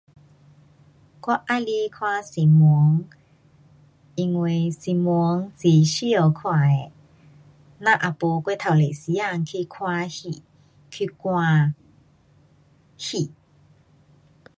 我喜欢看新闻，因为新闻是需要看的。咱也没过头多时间去看戏，去赶戏。